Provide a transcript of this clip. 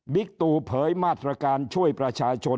ตู่เผยมาตรการช่วยประชาชน